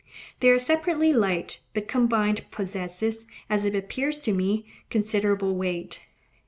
They are separately light, but combined possess, as it appears to me, considerable weight.